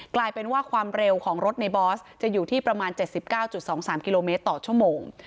กลายเป็นว่าความเร็วของรถในบอสจะอยู่ที่ประมาณเจ็ดสิบเก้าจุดสองสามกิโลเมตรต่อชั่วโมง